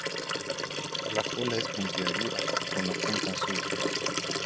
La cola es puntiaguda, con la punta azul.